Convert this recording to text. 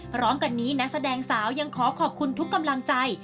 พร้อมกันนี้นักแสดงสาวยังขอขอบคุณทุกกำลังใจ